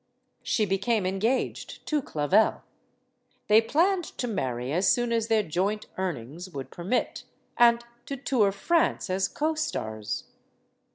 She became engaged to Clavel. They planned to marry as soon as their joint earnings would permit, and to tour France as co stars.